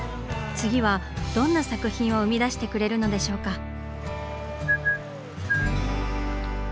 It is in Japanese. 次はどんな作品を生み出してくれるのでしょうか？